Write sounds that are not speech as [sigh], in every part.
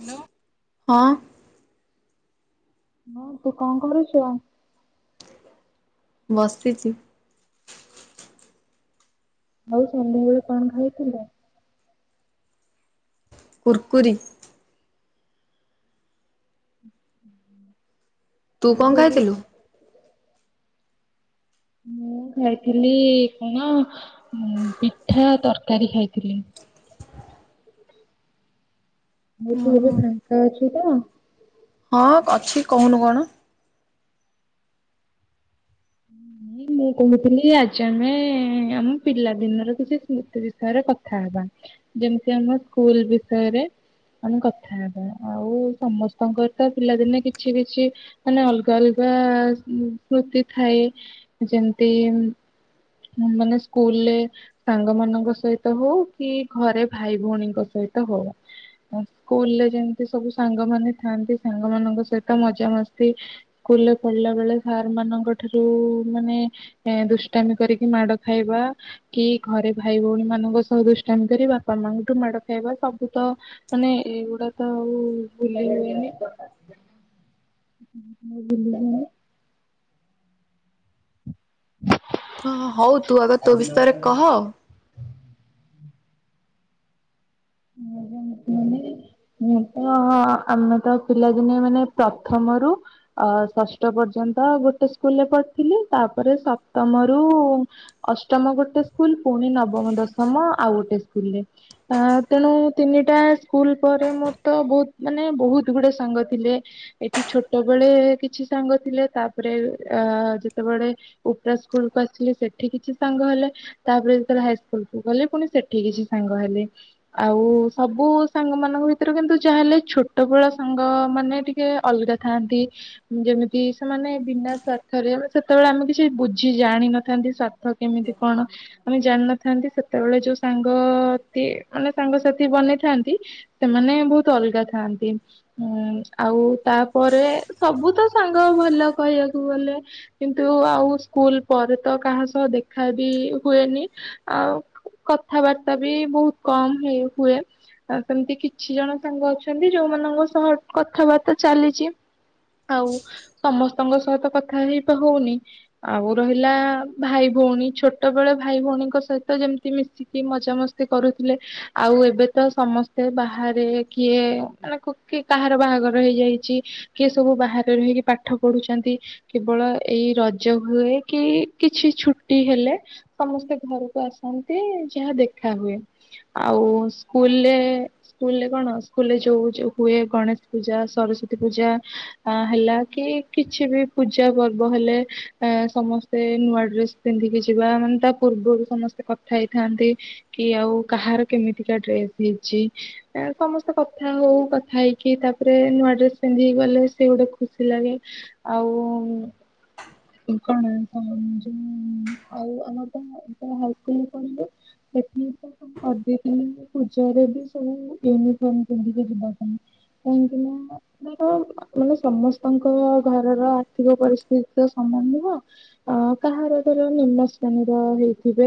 Hello. ହଁ। ହଁ ତୁ କଣ କରୁଚ? ବସିଛି। ଆଉ ସନ୍ଧ୍ୟାବେଳେ କଣ ଖାଇଥିଲେ? କୁରକୁରି। ତୁ ଆଉ କଣ ଏବେ ଖାଇଥିଲୁ? ମୁଁ ଖାଇଥିଲି କଣ ଉଁ, ପିଠା ତରକାରୀ ଖାଇଥିଲି। ମୁଁ ତୁ ଏବେ ଓହୋ ଫାଙ୍କା ଅଛୁ ତ? ହଁ ଅଛି, କହୁନୁ କଣ? [inaudible] ମୁଁ କହୁଥିଲି ଆଜି ଆମେ ଆମ ପିଲା ଦିନର କିଛି ସ୍ମୃତି ବିଷୟରେ କଥା ହେବା। ଯେମିତି ଆମ ସ୍କୁଲ୍ ବିଷୟରେ। ମାନେ କଥା ହେବା, ଆଉ ସମସ୍ତଙ୍କର ତ ପିଲାଦିନେ କିଛି କିଛି ମାନେ ଅଲଗା ଅଲଗା ସ୍ମୁ ସ୍ମୃତି ଥାଏ। ଯେମିତି ଉଁ, ମୁଁ ମାନେ ସ୍କୁଲ୍ ରେ ସାଙ୍ଗ ମାନଙ୍କ ସହିତ ହଉ କି ଘରେ ଭାଇ ଭଉଣୀଙ୍କ ସହିତ ହଉ। ସ୍କୁଲ୍ ରେ ଯେମତି ସବୁ ସାଙ୍ଗ ମାନ ଥାଆନ୍ତି, ସାଙ୍ଗ ମାନଙ୍କ ସହିତ ମଜା ମସ୍ତି ସ୍କୁଲ୍ ରେ ପଢିଲା ବେଳେ ସାର୍ ମାନଙ୍କ ଠାରୁ ମାନେ ଏଁ ଦୁଷ୍ଟାମି କରି କି ମାଡ ଖାଇବା। କି ଘରେ ଭାଇ ଭଉଣୀ ମାନଙ୍କ ସହ ଦୁଷ୍ଟାମି କରି ବାପା ମାଙ୍କଠୁ ମାଡ ଖାଇବା, ସବୁ ତ ମାନେ ଏଗୁଡା ତ ଆଉ ଭୁଲି ହୁଏନି। [inaudible] ହ, ହୋ ହଉ ତୁ ଆଗ ତୋ ବିଷୟରେ କହ। ମୁଁ [inaudible] ଶୁଣି। ମୁଁ ତ ହୋ ଆ, ଆମେ ତ ପିଲାଦିନେ ମାନେ ପ୍ରଥମରୁ ଅ, ଷଷ୍ଠ ପର୍ଯ୍ୟନ୍ତ ଗୁଟେ ସ୍କୁଲ୍ ରେ ପଢିଥିଲି। ତାପରେ ସପ୍ତମ ରୁ ଅଷ୍ଟମ ଗୁଟେ ସ୍କୁଲ୍, ପୁଣି ନବମ ଦଶମ ଆଉ ଗୁଟେ ସ୍କୁଲ୍ ରେ। ତା ତେଣୁ ତିନିଟା ସ୍କୁଲ୍ ପରେ ମୋର ତ ବହୁତ ମାନେ ବହୁତ ଗୁଡେ ସାଙ୍ଗ ଥିଲେ। ଏଠି ଛୋଟବେେଳେ କିଛି ସାଙ୍ଗ ଥିଲେ। ତାପରେ ଅ, ଯେତବେଳେ ଉପ୍ରା ସ୍କୁଲ୍ କୁ ଆସିଲି ସେଠି କିଛି ସାଙ୍ଗ ହେଲେ। ତାପରେ ଯେତେବେଳେ ହାଇସ୍କୁଲ କୁ ଗଲେ ପୁଣି ସେଠି କିଛି ସାଙ୍ଗ ହେଲେ। ଆଉ ସବୁ ସାଙ୍ଗ ମାନଙ୍କ ଭିତରେ କିନ୍ତୁ ଯାହା ହେଲେ ଛୋଟ ବେଳ ସାଙ୍ଗ ମାନେ ଟି କେ ଅଲଗା ଥାଆନ୍ତି। ଯେମିତି ସେମାନେ ବିନା ସ୍ୱାର୍ଥରେ ସେତେବେଳେ ଆମେ କିଛି ବୁଝି ଜାଣିନଥାନ୍ତି। କେମିତି କଣ ଆମେ ଜାଣିନଥାନ୍ତି ସେତେବେଳେ ଯୋଉ ସାଙ୍ଗତି ମାନେ ସାଙ୍ଗ ସାଥି ବନେଇଥାନ୍ତି ସେମାନେ ବହୁତ ଅଲଗା ଥାନ୍ତି। ହୁଁ ଆଉ ତାପରେ ସବୁ ତ ସାଙ୍ଗ ଭଲ କହିବାକୁ ଗଲେ। କିନ୍ତୁ ଆଉ ସ୍କୁଲ ପରେ ତ କାହା ସହ ଦେଖା ବି ହୁଏନି ଆଉ କଥାବାର୍ତ୍ତା ବି ବହୁତ କମ୍ ହେଇ ହୁଏ। ଆଉ ସେମିତି କିଛି ଜଣ ସାଙ୍ଗ ଅଛନ୍ତି ଯୋଉମାନଙ୍କ ସହ କଥାବାର୍ତ୍ତା ଚାଲିଛି। ଆଉ ସମସ୍ତଙ୍କ ସହିତ କଥା ହେଇବା ହଉନି। ଆଉ ରହିଲା ଭାଇ ଭଉଣୀ ଛୋଟ ବେଳେ ଭାଇ ଭଉଣୀଙ୍କ ସହିତ ଯେମିତି ମିଶିକି ଏ ମଜା ମସ୍ତି କରୁଥିଲେ। ଆଉ ଏବେ ତ ସମସ୍ତେ ବାହାରେ କିଏ ମାନେ କି କାହାର ବାହାଘର ହେଇଯାଇଛି। କିଏ ସବୁ ବାହାରେ ରହିକି ପାଠ ପଢୁଛନ୍ତି। କେବଳ ଏଇ ରଜ ହୁଏ କି କିଛି ଛୁଟି ହେଲେ ସମସ୍ତେ ଘରକୁ ଆସନ୍ତି ଯାହା ଦେଖା ହୁଏ। ଆଉ ସ୍କୁଲରେ ସ୍କୁଲ ରେ କଣ ସ୍କୁଲ ରେ ଯୋଉ ଯଉ ହୁଏ ଗଣେଶ ପୂଜା ସରସ୍ଵତୀ ପୂଜା ଅ ହେଲା କି କିଛି ବି ପୂଜା ପର୍ବ ହେଲେ ଅ ସମସ୍ ସେ ନୂଆ ଡ୍ରେସ ପିନ୍ଧିକି ଯିବା ମାନେ ତା ପୂର୍ବରୁ ସମସ୍ତେ କଥା ହେଇଥାନ୍ତି କି ଆଉ କାହାର କେମିତିକା ଡ୍ରେସ୍ ହେଇଛି? ସମସ୍ତେ କଥା ହଉ କଥା ହେଇକି ତାପରେ ନୂଆ ଡ୍ରେସ ପିନ୍ଧିକି ଗଲେ ସେ ଗୋଟେ ଖୁସି ଲାଗେ। ଆଉ [unintelligible] [unintelligible] ଅଦିନ ପୂଜାରେ ବି ସବୁ ୟୁନିଫର୍ମ ପିନ୍ଧିକ ଯିବା ପାଇଁ। କାହିଁକି ନା ମାନେ ସମସ୍ତଙ୍କ ଘରର ଆର୍ଥିକ ପରିସ୍ଥିତି ତ ସମାନ ନୁହଁ। ଅ କାହାର ଧର ନିମ୍ନ ଶ୍ରେଣୀର ହେଇଥିବେ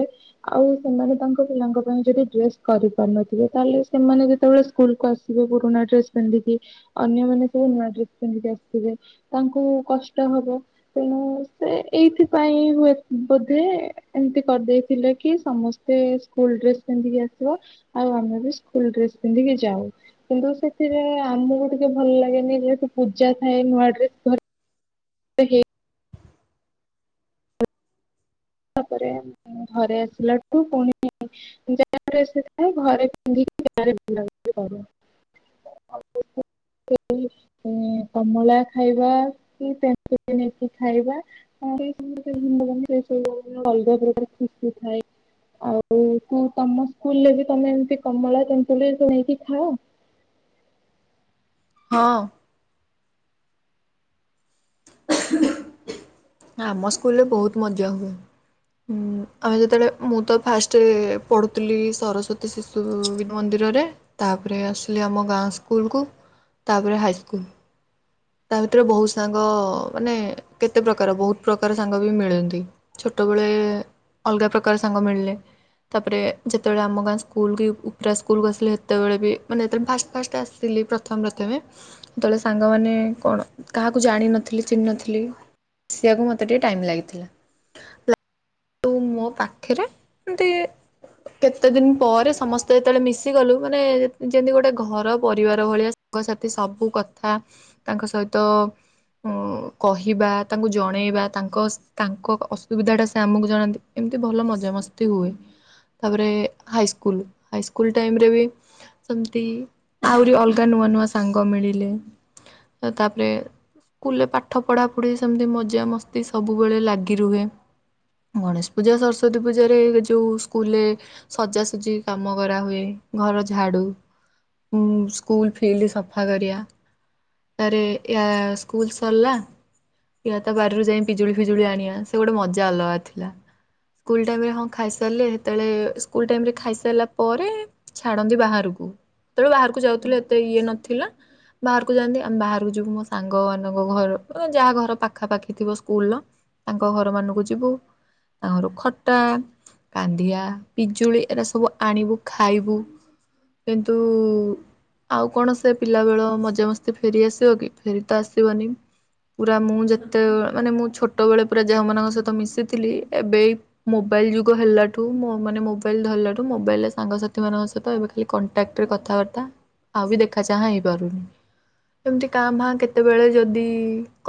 ଆଉ ସେମାନେ ତାଙ୍କ ପିଲାଙ୍କ ଯଦି ଡ୍ରେସ କରି ପାରୁନଥିବେ ତାହେଲେ ସେମାନେ ଯେତେବେଳେ ସ୍କୁଲକୁୁ ଆସିବେ ପୁରୁଣା ଡ୍ରେସ ପିନ୍ଧିକି ଅନ୍ୟମାନେ ସବୁ ନୂଆ ଡ୍ରେସ୍ ପିନ୍ଧିକି ଆସିଥିବେ ତାଙ୍କୁ କଷ୍ଟ ହବ। ତେଣୁ ସେ ଏଇଥିପାଇଁ ହୁଏ ବୋଧେ। ଏମିତି କରିଦେଇଥିଲେ କି ସମସ୍ତେ ସ୍କୁଲ ଡ୍ରେସ ପିନ୍ଧିକି ଆସିବ ଆଉ ଆମେ ବି ସ୍କୁଲ ଡ୍ରେସ ପିନ୍ଧିକି ଯାଉ। କିନ୍ତୁ ସେଥିରେ ଆମକୁ ଟିକେ ଭଲ ଲାଗେନି ଯେହେତୁ ପୂଜା ଥାଏ ନୂଆ ଡ୍ରେସ। [unintelligible] ତାପରେ ଘରେ ଆସିଲାଠୁ ପୁଣି [unintelligible] [inaudible] କମଳା ଖାଇବା କି [unintelligible] ନେଇକି ଖାଇବା। [unintelligible] ଅଲଗା ପ୍ରକାର ଖୁସି ଥାଏ। ଆଉ ତୁ ତମ ସ୍କୁଲ ରେ ବି ତମେ ଏମିତି କମଳା ତନ୍ତୁଳିୁ ନେଇକି ଖାଅ? ହଁ। [inaudible] ଆମ ସ୍କୁଲରେ ବହୁତ ମଜା ହୁଏ। ହଁ ଆମେ ଯେତେବେଳେ ମୁଁ ତ ଫାଷ୍ଟ ପଢ଼ୁଥିଲି ସରସ୍ୱତୀ ଶିଶୁ ମନ୍ଦିରରେ ତାପରେ ଆସିଲି ଆମ ଗାଁ ସ୍କୁଲକୁୁ ତାପରେ ହାଇସ୍କୁଲ। ତା ଭିତରେ ବହୁ ସାଙ୍ଗ ମାନେ କେତେ ପ୍ରକାର ବହୁତ ପ୍ରକାର ସାଙ୍ଗ ବି ମିଳନ୍ତି। ଛୋଟବେଳେ ଅଲଗା ପ୍ରକାର ସାଙ୍ଗ ମିଳିଲେ। ତାପରେ ଯେତେବେଳେ ଆମ ଗାଁ ସ୍କୁଲ କି ଉପୁରରା ସ୍କୁଲକୁ ଆସିଲେ ସେତେବେଳେ ବି ମାନେ ଯେତେବେଳେ ଫାଷ୍ଟ ଫାଷ୍ଟ ଆସିଲ ଥିଲି ପ୍ରଥମ ପ୍ରଥମେ ଯେତେବେଳେ ସାଙ୍ଗମାନେ କଣ କାହାକୁ ଜାଣିନଥିଲି ଚିହ୍ନଥିଲି ସେୟାକୁ ମୋତେ ଟିକେ ଟାଇମ୍ ଲାଗିଥିଲା। ତୁ ମୋ ପାଖରେ ଏମତି କେତେ ଦିନ ପରେ ସମସ୍ତେ ଯେତେବେଳେ ମିଶି ଗଲୁ ମାନେ ଯେମିତି ଗୋଟେ ଘର ପରିବାର ଭଳିଆ ସାଙ୍ଗ ସାଥି ସବୁ କଥା ତାଙ୍କ ସହିତ ଉ କହିବା ତାଙ୍କୁ ଜଣେଇବା ତାଙ୍କ ତାଙ୍କ ଅସୁବିଧାଟା ଆମକୁ ଜଣାନ୍ତି ଏମିତି ଭଲ ମଜା ମସ୍ତି ହୁଏ। ତାପରେ ହାଇସ୍କୁଲ ହାଇସ୍କୁଲ ଟାଇମେରେବି ସେମିତି ଆହୁରି ଅଲଗା ନୂଆ ନୂଆ ସାଙ୍ଗ ମିଳିଲେ ତ ତାପରେ ସ୍କୁଲରେ ପାଠ ପଢ଼ା ପଢ଼ି ସେମିତି ମଜାମସ୍ତି ସବୁବେଳେ ଲାଗି ରୁହେ। ଗଣେଶ ପୂଜା ସରସ୍ଵତୀ ପୂଜାରେ ଯେଉଁ ସ୍କୁଲରେ ସଜାସଜି କାମ କରାହୁଏ। ଘର ଝାଡୁ ଉଁ ସ୍କୁଲ୍ ଫିଲ୍ଡ ସଫା କରିବା। ଆରେୟ ସ୍କୁଲ ସରିଲା ୟା ତା ବାରି ରୁ ଯାଇ ପିଜୁଳି ଫିଜୁଳି ଆଣିବା ସେ ଗୋଟେ ମଜା ଅଲଗା ଥିଲା। ସ୍କୁଲ ଟାଇମେ ହଁ ଖାଇସାରିଲେ ସେତେବେଳେ ସ୍କୁଲ ଟାଇମରେ ଖାଇସାରିଲା ପରେ ଛାଡନ୍ତି ବାହାରକୁ ହେତେବେଳେ ବାହାରକୁ ଯାଉଥିଲେ ଏତେ ଇଏ ନଥିଲା ବାହାରକୁ ଯାଆନ୍ତି ଆମେ ବାହାରକୁ ଯିବୁ ମୋ ସାଙ୍ଗ ମାନଙ୍କ ଘର ଯାହା ଘର ପାଖା ପାାଖି ଥିବ ସ୍କୁଲର ତାଙ୍କ ଘରମାନଙ୍କୁ ଯିବୁ। ତାଙ୍କରୁ ଖଟା କାନ୍ଦିଆ ପିଜୁଳି ଏରା ସବୁ ଆଣିବୁ ଖାଇବୁ। କିନ୍ତୁ ଆଉ କଣ ସେ ପିଲାବେଳ ମଜାମସ୍ତି ଫେରି ଆସିବ କି? ଫେରି ତ ଆସିବନି। ପୁରା ମୁଁ ଯେତେ ମାନେ ମୁଁ ଛୋଟବେେଳେ ପୁରା ଯାଉ ମାନଙ୍କ ସହିତ ମିଶିଥିଲି ଏବେ ଏଇ ମୋବାଇଲ ଯୁଗ ହେଲାଠୁ ମାନେ ମୋବାଇଲ ଧରାଠୁ ମୋବାଇଲ ରେ ସାଙ୍ଗସାଥି ମାନଙ୍କ ସହିତ ଏବେ ଖାଲି କଣ୍ଟାକ୍ଟରେ କଥାବାର୍ତ୍ତା ଆଉ ବି ଦେଖା ଚାହାଁ ହେଇପାରୁନି। ଏମିତି କାଁ ଭାଁ କେତେବେଳେ ଯଦି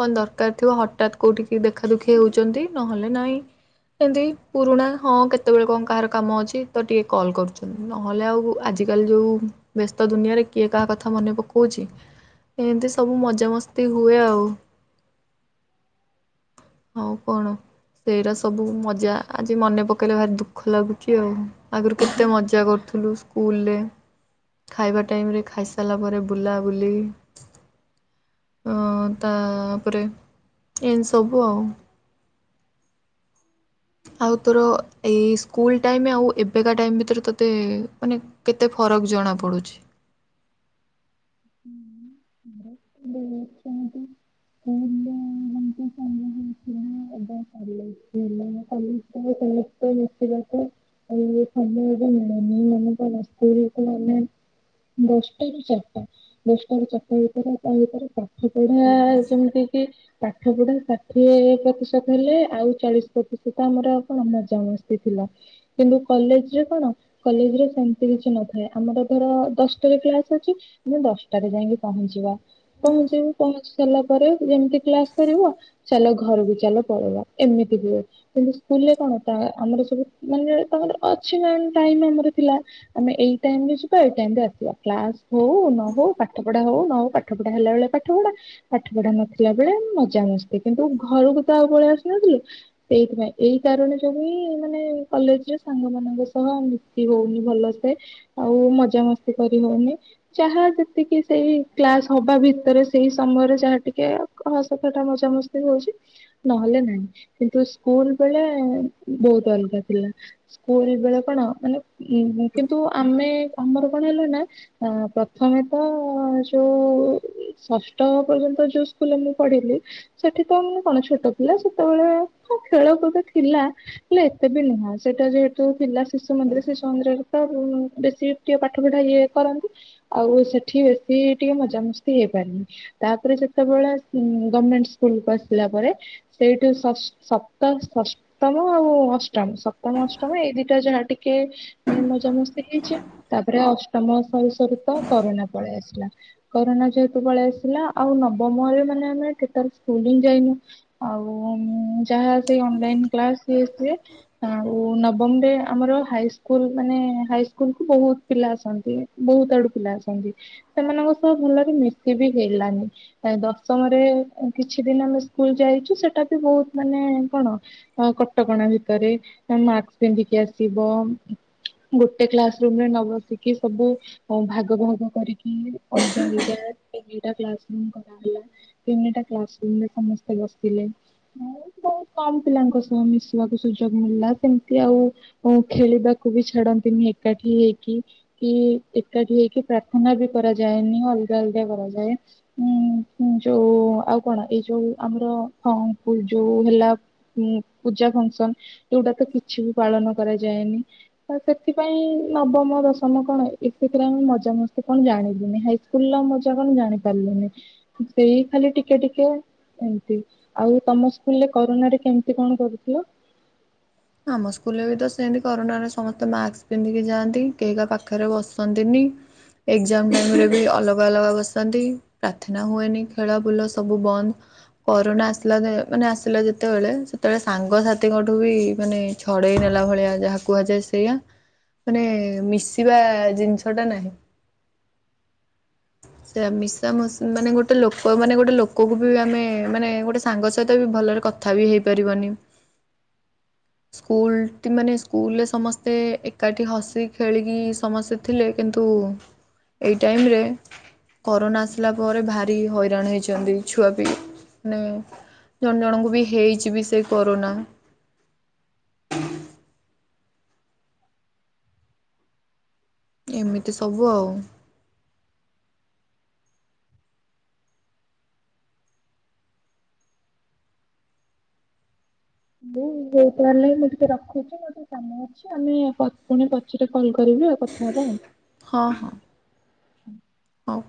କଣ ଦରକାର ଥିବ ହଠାତ୍ କୋଉଠିକି ଟିକେ ଦେଖା ଦୁଖି ହଉଚନ୍ତି। ନହେଲେ ନାଇଁ ହ ଏମିତି ପୁରୁଣା ହଁ କେତେବେଳେ କଣ କାହାର କାମ ଅଛି ତ ଟିକେ କଲ୍ କରୁଚନ୍ତି। ନହେଲେ ଆଉ ଆଜି ଆଜିକାଲି ଯେଉଁ ବ୍ୟସ୍ତ ଦୁନିଆରେ କିଏ କାହା କଥା ମନେ ପକାଉଚି। ଏମିତି ସବୁ ମଜାମସ୍ତି ହୁଏ ଆଉ। ହଉ କଣ? ସେଇରା ସବୁ ମଜା ଆଜି ମନେ ପକାଇଲେ ଭାରି ଦୁଃଖ ଲାଗୁଚି ଆଉ ଆଗରୁ କେତେ ମଜା କରୁଥିଲୁ। ସ୍କୁଲରେ ଖାଇବା ଟାଇମ ଖାଇସାରିଲା ପରେ ବୁଲାବୁଲି ଅ ତାପରେ ଏମତି ସବୁ ଆଉ। ଆଉ ତୋର ଏଇ ସ୍କୁଲ ଟାଇମ୍ ଆଉ ଏବେକା ଟାଇମ୍ ଭିତରେ ତୋତେ ମାନେ କେତେ ଫରକ ଜଣାପଡ଼ୁଛି ହୁଁ [unintelligible] ବ ବାସନ୍ତୀ ଆଲୋ ମିଶିବାକୁ ଆଉ ସମୟ ବି ମିଳୁନି ଦଶଟା ରୁ ଚାରିଟା ଦଶଟା ରୁ ଚାରିଟା ଭିତରେ ତା ଭିତରେ ପା ସେ ପଇଡା ଆ ଯେମିତି କି ପାଠ ପଢା ଷାଠିଏ ପ୍ରତିଶତ ହେଲେ ଆଉ ଚାଳିଶ ପ୍ରତିଶତ ଆମର କଣ ମଜାମସ୍ତି ଥିଲା। କିନ୍ତୁ କଲେଜ ରେ କଣ କଲେଜରେ ସେମିତି କିଛି ନଥାଏ ଆମର ଧର ଦଶ ଟେ କ୍ଲାସ୍ ଅଛି ଆମେ ଦଶଟାରେ ଯାଇକି ପହଞ୍ଚିବା ପହଞ୍ଚିବୁ ପହଞ୍ଚି ସାରିଲା ପରେ ଯେମିତି କ୍ଲାସ କରିବ ଚାଲ ଘରୁ ବି ଚାଲ ପଳେଇବା ଏମିତି ବି କିନ୍ତୁ ସ୍କୁଲରେ କଣ ଟା ଆମର ସବୁ ମାନେ ତାଙ୍କର ଅଛି ମାନେ ଟାଇମ୍ ଆମର ଥିଲା। ଆମେ ଏଇ ଟାଇମ ରେ ଯିବା ଏଇ ଟାଇମ ରେ ଆସିବା। କ୍ଲାସ ହଉ ନ ହଉ ପାଠ ପଢା ହଉ ନ ହଉ ପାଠ ପଢା ହେଲା ବେଳେ ପାଠ ପଢା। ପାଠ ପଢା ନଥିଲା ବେଳେ ମଜାମସ୍ତି କିନ୍ତୁ ଘରକୁ ତ ଆଉ ପଳେଇ ଆସୁନଥିଲୁ। ସେଇଥିପାଇଁ ଏଇ କାରଣ ଯୋଗୁ ହିଁ ମାନେ କଲେଜରେ ସାଙ୍ଗ ମାନଙ୍କ ସହ। କି ହଉନି ଭଲସେ ଆଉ ମଜା ମସ୍ତି। କରି ହଉନି ଯାହା ଯେତିକି ସେଇ କ୍ଲାସ ହବା ଭିତରେ। ସେଇ ସମୟରେ ଯାହା ଟିକେ ହସଫଟା ମଜାମସ୍ତି ହଉଛି। ନହେଲେ ନାହିଁ କିନ୍ତୁ ସ୍କୁଲ ବେଳେ ବହୁତ ଅଲଗା ଥିଲା। ସ୍କୁଲ ବେଳେ କଣ ମାନେ କିନ୍ତୁ ଆମେ ଆମର କଣ ହେଲା ନା। ଅ ପ୍ରଥମେ ତ ଯୋଉ ଷଷ୍ଠ ପର୍ଯ୍ୟନ୍ତ ଯୋଉ ସ୍କୁଲରେ ମୁଁ ପଢିଲି। ସେଠି ତ ମୁଁ କଣ ଛୋଟ ଥିଲା ସେତେବେଳେ ହଁ ଖେଳକୁଦ ଥିଲା। ହେଲେ ଏତେ ବି ନୁହଁ ସେଟା ଯେହେତୁ ଥିଲା ଶିଶୁ ମନ୍ଦିର ଶିଶୁ ମନ୍ଦିରରେ ତ ବେଶୀ ଟିକେ କ ପାଠ ପଠା ଇଏ କରନ୍ତି ଆଉ ସେଠି ବେଶୀ ଟିକେ ମଜାମସ୍ତି ହେଇପାରିନି। ତାପରେ ଯେତେବେଳେ ଉ ଗଭମେଣ୍ଟ ସ୍କୁଲକୁ ଆସିଲା ପରେ। ସେଇଠୁ ସସ୍ ଶପ୍ତ ସସ୍ ସପ୍ତମ ଆଉ ଅଷ୍ଟମ ସପ୍ତମ ଅଷ୍ଟମ ଏଇ ଦିଟା ଯାହା ଟିକେ ମଜାମସ୍ତି ହେଇଛି। ତାପରେ ଅଷ୍ଟମ ସରୁ ସରୁ କା କରୋନା ପଳେଇ ଆସିଲା। କରୋନା ଯେହେତୁ ପଳେଇ ଆସିଲା ଆଉ ନବମରେ ମାନେ ଆମେ କେତେଲ ସ୍କୁଲ୍ ହି ଯାଇନୁ। ଆଉ ଯାହା ସେ ଅନଲାଇନ୍ କ୍ଲାସ ବି ଆସିବେ। ଆଉ ନବମ ରେ ଆମର ହାଇସ୍କୁଲ ମାନେ ହାଇ ସ୍କୁଲ କୁ ବହୁତ। ପିଲା ଆସନ୍ତି ବହୁତ ଆଡୁ ପିଲା ଅସନ୍ତି। ସେମାନଙ୍କ ସହ ଭଲରେ ମିସି ବି ହେଲାନି କାଇ ଦଶମରେ। କିଛି ଦିନ ଆମେ ସ୍କୁଲ ଯାଇଛୁ ସେଟା ବି ବହୁତ ମାନେ କଣ। ଅ କଟକଣା ଭିତରେ ନହେନେ ମାସ୍କ ପିନ୍ଧିକି ଆସିବ। ଗୋଟେ କ୍ଲାସ ରୁମ ରେ ନବଶ୍ ସିକୀ ସବୁ ଆ ଭାଗ ଭାଗ କରିକି ଅଲଗା ଦିଟା ଦିଟା କ୍ଲାସ୍। ଲା ତିିନିଟା୍ [unintelligible] ସମସ୍ତେ ବସିଲେ। ହଁ ବହୁତ କମ ପିଲାଙ୍କ ସହ ମିଶ୍ କୁ ସୁଯୋଗ ମିଳିଲା ସେମିତି ଆଉ ଖେଳିବାକୁ ବି ଛାଡନ୍ତିନି ଏକାଠି ହେଇକି। କି ଏ ଏକାଠି ହେଇକି ପ୍ରାର୍ଥନା ବି କରାଯାଏନି ଅଲଗା ଅଲଗା କରାଯାଏ। ଉଁ ଯୋଉ ଆଉ କଣ ଏଇ ଯୋଉ ଆମର ହଁ ଯୋଉ ହେଲା। ଉଁ ପୂଜା ଫଙ୍କସନ ଯଉଟା ତ କିଛି ବି ପାଳନ କରାଯାଏନି। ତ ସେଥିପାଇଁ ନବମ ଦଶ ତମେ କଣ ଏକରେ ତ ଆମେ ମଜା ମସ୍ତି କଣ ଜାଣିଲୁନି। ହାଇସ୍କୁଲ ର ମଜା କଣ ଜାଣି ପାରିଲୁନି। ସେଇ ଖାଲି ଟିକେ ଟିକେ ଏମତି। ଆଉ ତମ ସ୍କୁଲରେ କରୋନା ରେ କେମିତି କଣ କରୁଥିଲ? ଆମ ସ୍କୁଲରେ ବି ତ ସେମତି କରୋନାରେ ସମସ୍ତେ ମାସ୍କ ପିନ୍ଧିକି ଯାଆନ୍ତି କେହି କାହା ପାଖରେ ବସନ୍ତିନି। ଏଜ୍ଜାମ୍ ଟାଇମ୍ ରେ ବି ଅଲଗା ଅଲଗା ବସନ୍ତି। ପ୍ରାର୍ଥନା ହୁଏନି। ଖେଳ ବୁଲ ସବୁ ବନ୍ଦ। କରୋନା ଆସିଲା ଯେ ମାନେ ଆସିଲା ଯେତେବେଳେ ସେତେବେଳେ ସାଙ୍ଗସାଥିଙ୍କଠୁ ବି ମାନେ ଛଡ଼େଇ ନେଲା ଭଳିଆ ଯାହା କୁହାଯାଏ ସେଇଆ। ମାନେ ମିଶିବା ଜିନିଷ ଟା ନାହିଁ। ସେଇୟା ମିଶା ମଶ୍ ମାନେ ଗୋଟେ ଲୋକ ମାନେ ଗୋଟେ ଲୋକକୁ ବି ଆମେ ମାନେ ଗୋଟେ ସାଙ୍ଗ ସହିତ ବି ଭଲରେ କ କଥା ବି ହେଇପାରିବନି। [inaudible] ସ୍କୁଲ୍ ମାନେ ସ୍କୁଲରେ ସମସ୍ତେ ଏକାଠି ହସି ଖେଳିକି ସମସ୍ତେ ଥିଲେ, କିନ୍ତୁ ଏଇ ଟାଇମ୍ ରେ କରୋନା ଆସିଲା ପରେ ଭାରି ହଇରାଣ ହେଇଛନ୍ତି ଛୁଆ ପି। ମାନେ ଜଣ ଜଣଙ୍କୁ ବି ହେଇଚି ବି ସେ କରୋନା। ଏମିତି ସବୁ ଆଉ। ମୁଁ ହଉ ତାହେଲେ ମୁଁ ଟିକେ ରଖୁଚି ଆଉ। ମୋର ଟିକେ କାମ ଅଛି ଆମେ ପ ପୁଣି ପଛ ରେ କଲ୍ କରିବି ଆଉ କଥାହବା ଆଉ। ହଁ ହଁ। ହଉ।